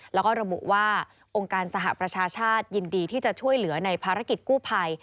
แล้วก็ระบุว่าองค์การสหประชาชาติยินดีที่จะช่วยเหลือในภารกิจกู้ภัย